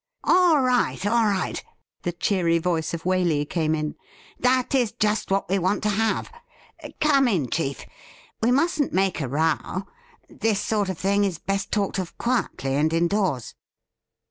' All right ! all right !' the cheery voice of Waley came in. 'That is just what we want to have. Come in, chief ; we mustn't make a row. This sort of thing is best talked of quietly, and indoors.'